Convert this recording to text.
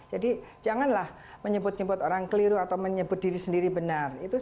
jadi janganlah menyebut nyebut orang keliru atau menyebut diri sendiri benar